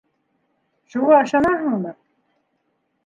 Шуға ышанаһыңмы?